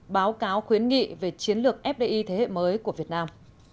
báo cáo khuyến nghị về chiến lược fdi thế hệ mới của việt nam